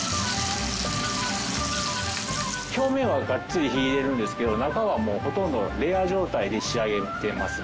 表面はガッツリ火入れるんですけど中はほとんどレア状態で仕上げてますね。